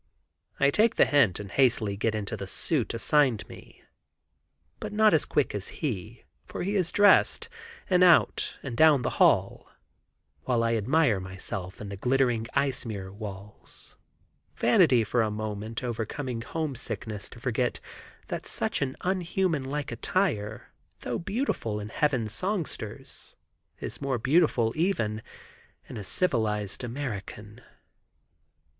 I take the hint and hastily get into the suit assigned me, but not as quick as he, for he is dressed, and out, and down the hall, while I admire myself in the glittering ice mirror walls, vanity for a moment overcoming homesickness to forget that such an unhuman like attire, though beautiful in heaven's songsters, is more beautiful, even, in a civilized American.